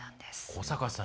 古坂さん